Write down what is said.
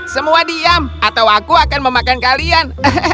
semua diam atau aku akan memakan kalian